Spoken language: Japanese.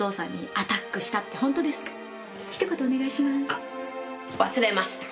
あ忘れました。